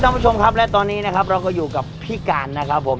ท่านผู้ชมครับและตอนนี้นะครับเราก็อยู่กับพี่การนะครับผม